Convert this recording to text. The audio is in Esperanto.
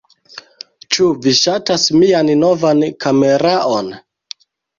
Ĉu vi ŝatas mian novan kameraon?